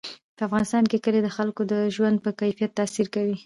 په افغانستان کې کلي د خلکو د ژوند په کیفیت تاثیر کوي.